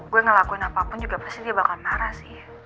gue ngelakuin apapun juga pasti dia bakal marah sih